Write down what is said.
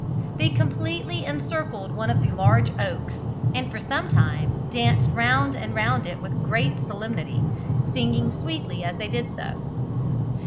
They completely encircled one of the large oaks, and for some time danced round and round it with great solemnity, singing sweetly as they did so.